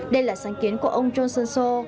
đây là sáng kiến của ông johnson so